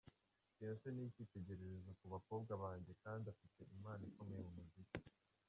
Beyonce n’icyitegererezo ku bakobwa banjye kandi afite impano ikomeye mu muziki.